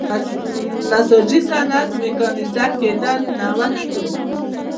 نساجۍ صنعت میکانیزه کېدل نوښت و.